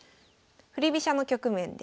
振り飛車の局面です。